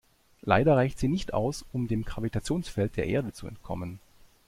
Leider reicht sie nicht aus, um dem Gravitationsfeld der Erde zu entkommen.